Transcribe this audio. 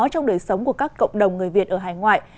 trong đời sống của các cộng đồng người việt ở hải ngoại